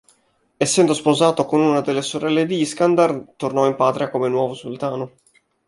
Essendo sposato con una delle sorelle di Iskandar, tornò in patria come nuovo sultano.